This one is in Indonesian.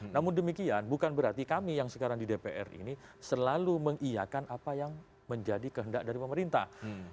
namun demikian bukan berarti kami yang sekarang di dpr ini selalu mengiakan apa yang menjadi kehendak dari pemerintah